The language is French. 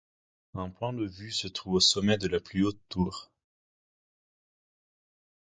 Un point de vue se trouve au sommet de la plus haute tour.